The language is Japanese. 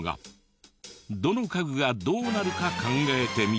どの家具がどうなるか考えてみて。